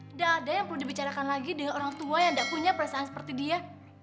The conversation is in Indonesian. tidak ada yang perlu dibicarakan lagi dengan orang tua yang tidak punya perasaan seperti dia